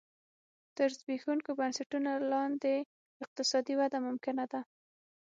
تر زبېښونکو بنسټونو لاندې اقتصادي وده ممکنه ده.